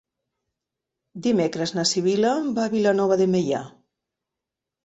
Dimecres na Sibil·la va a Vilanova de Meià.